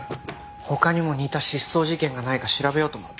他にも似た失踪事件がないか調べようと思って。